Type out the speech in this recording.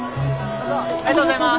ありがとうございます。